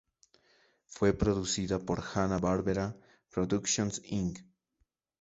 Fue producida por Hanna-Barbera Productions, Inc.